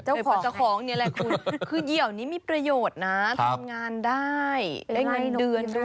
เจ้าของเจ้าของนี่แหละคุณคือเหยื่อนี้มีประโยชน์นะทำงานได้ได้เงินเดือนด้วย